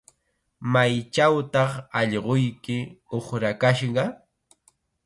¿Maychawtaq allquyki uqrakashqa?